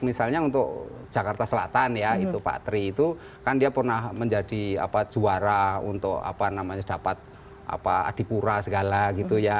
misalnya untuk jakarta selatan ya itu pak tri itu kan dia pernah menjadi juara untuk apa namanya dapat adipura segala gitu ya